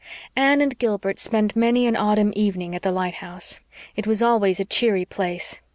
Anne and Gilbert spent many an autumn evening at the lighthouse. It was always a cheery place.